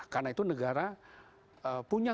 karena itu negara punya